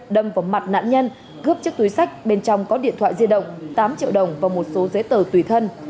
đâm vào mặt nạn nhân cướp chiếc túi sách bên trong có điện thoại di động tám triệu đồng và một số giấy tờ tùy thân